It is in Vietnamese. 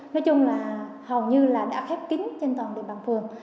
nói chung là hầu như là đã khép kính trên toàn địa bàn phường